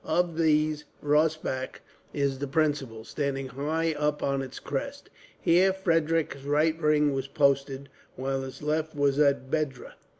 Of these Rossbach is the principal, standing high up on its crest. Here Frederick's right wing was posted, while his left was at Bedra.